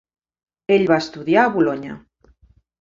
Ell va estudiar a Bolonya.